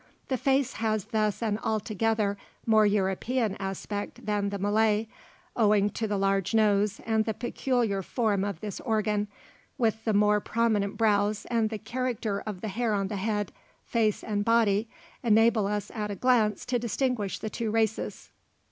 The face has thus an altogether more European aspect than in the Malay, owing to the large nose; and the peculiar form of this organ, with the more prominent brows and the character of the hair on the head, face, and body, enable us at a glance to distinguish the two races.